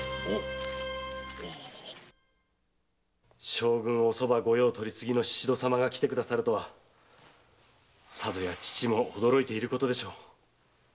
将軍御側御用取次の宍戸様が来てくださるとはさぞや父も驚いていることでしょう。